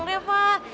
ibutan bang diman